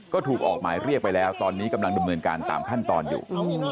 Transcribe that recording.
ก็ถูกออกหมายเรียกไปแล้วตอนนี้กำลังดำเนินการตามขั้นตอนอยู่